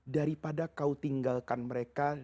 daripada kau tinggalkan mereka